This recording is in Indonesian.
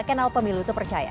kanal pemilu tepercaya